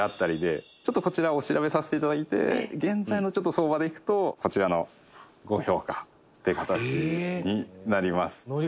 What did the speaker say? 「ちょっとこちらお調べさせて頂いて現在のちょっと相場でいくとこちらのご評価っていう形になります」